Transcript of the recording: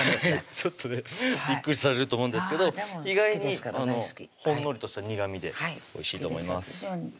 ちょっとねびっくりされると思うんですけど意外にほんのりとした苦みでおいしいと思います